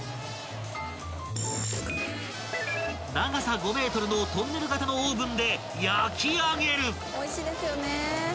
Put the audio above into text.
［長さ５ｍのトンネル型のオーブンで焼き上げる］